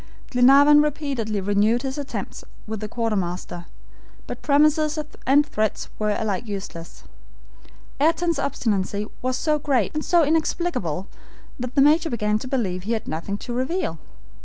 Glenarvan repeatedly renewed his attempts with the quartermaster, but promises and threats were alike useless. Ayrton's obstinacy was so great, and so inexplicable, that the Major began to believe he had nothing to reveal.